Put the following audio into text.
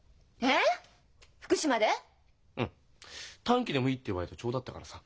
短期でもいいってバイトちょうどあったからさ。